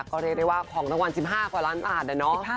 ก็เรียกได้ว่าของรางวัล๑๕กว่าล้านบาทนะเนาะ